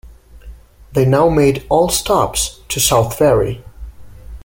They now made all stops to South Ferry.